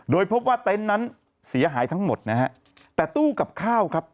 โดยพบว่าเต็นต์นั้นเสียหายทั้งหมดนะฮะแต่ตู้กับข้าวครับ